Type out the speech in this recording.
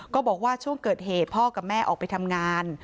บอกว่าช่วงเกิดเหตุพ่อกับแม่ออกไปทำงาน